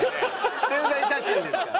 宣材写真ですから。